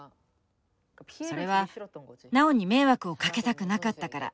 それはナオに迷惑をかけたくなかったから。